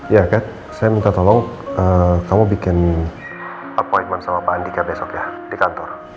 ya kan saya minta tolong kamu bikin appointment sama pak andika besok ya di kantor